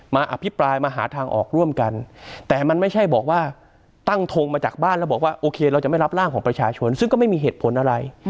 อภิปรายมาหาทางออกร่วมกันแต่มันไม่ใช่บอกว่าตั้งทงมาจากบ้านแล้วบอกว่าโอเคเราจะไม่รับร่างของประชาชนซึ่งก็ไม่มีเหตุผลอะไร